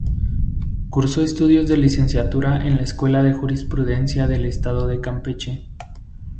Cursó estudios de licenciatura en la Escuela de Jurisprudencia del Estado de Campeche.